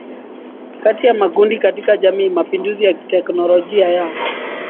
kati ya makundi katika jamii Mapinduzi ya kiteknolojia ya